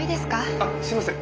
あっすいません。